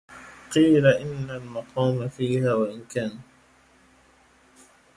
قيل إن المقام فيها وإن كان